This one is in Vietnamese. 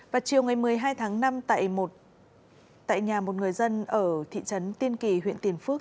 vào chiều ngày một mươi hai tháng năm tại nhà một người dân ở thị trấn tiên kỳ huyện tiền phước